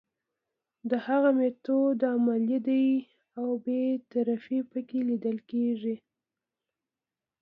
د هغه میتود علمي دی او بې طرفي پکې لیدل کیږي.